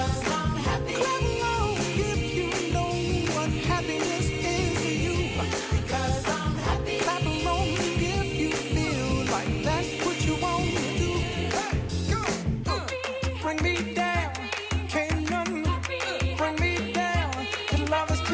สวัสดีครับ